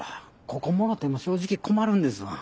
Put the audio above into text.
ここもろても正直困るんですわ。